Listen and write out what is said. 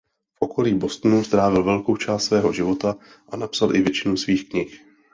V okolí Bostonu strávil velkou část svého života a napsal i většinu svých knih.